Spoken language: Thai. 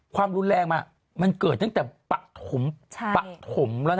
ความรุนแรงมามันเกิดตั้งแต่ปะถมแล้วนะ